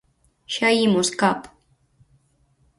Xa imos, Cap.